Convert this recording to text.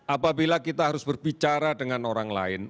apabila kita harus berbicara dengan orang lain